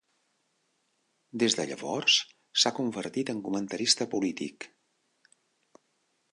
Des de llavors s'ha convertit en comentarista polític.